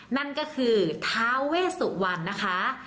นั่นก็คือทาเวสุวรรณนะคะ